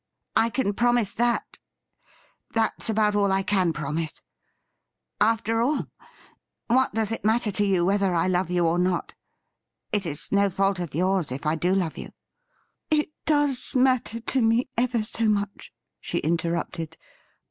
I can promise that — that's about all I can promise. After all, what does 206 THE RIDDLE RING^ it matter to you whether I love you or not ? It is no fault of yours if I do love you.' ' It does matter to me ever so much,' she interrupted.